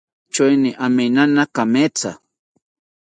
Choeni aminana kametha